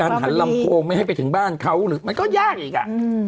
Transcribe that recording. หรือการหันลำโพงไม่ให้ไปถึงบ้านเขาหนึ่งมันก็ยากอีกอ่ะ